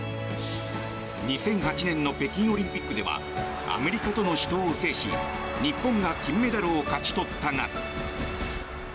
２００８年の北京オリンピックではアメリカとの死闘を制し日本が金メダルを勝ち取ったが。